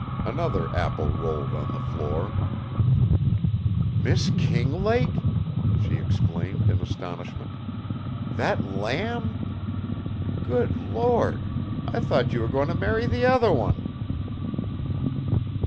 Another apple rolled on the floor. "Miss Kinglake!" she exclaimed in astonishment, "that lamb? Good Lord, I thought you were goin' to marry the other one!"